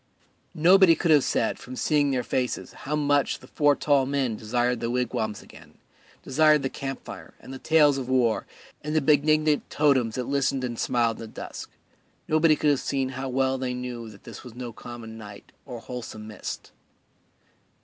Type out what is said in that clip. Nobody could have said from seeing their faces how much the four tall men desired the wigwams again, desired the camp fire and the tales of war and the benignant totems that listened and smiled in the dusk: nobody could have seen how well they knew that this was no common night or wholesome mist.